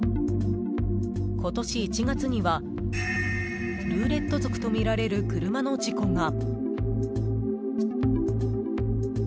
今年１月には、ルーレット族とみられる車の事故が。